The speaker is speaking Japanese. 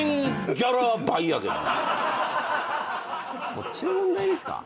そっちの問題ですか？